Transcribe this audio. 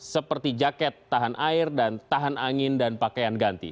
seperti jaket tahan air dan tahan angin dan pakaian ganti